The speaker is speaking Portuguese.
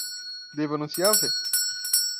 Devo anunciar-lhe?